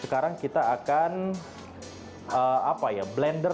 sekarang kita akan apa ya blender